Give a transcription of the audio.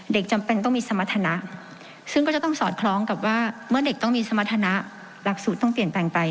จำเป็นต้องมีสมรรถนะซึ่งก็จะต้องสอดคล้องกับว่าเมื่อเด็กต้องมีสมรรถนะหลักสูตรต้องเปลี่ยนแปลงไป